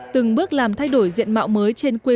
từng bước làm thay đổi diện mạo mới trên quốc gia